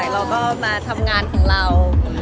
เราก็มาทำงานของเรา